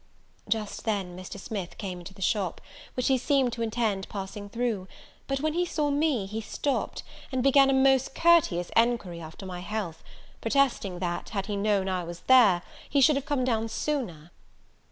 Just then Mr. Smith came into the shop, which he seemed to intend passing through; but when he saw me, he stopped, and began a most courteous enquiry after my health, protesting, that, had he known I was there, he should have come down sooner.